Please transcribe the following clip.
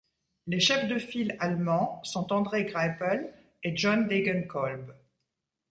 Les chefs de file allemands sont André Greipel et John Degenkolb.